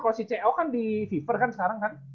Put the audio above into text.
kalau si ceo kan di viver kan sekarang kan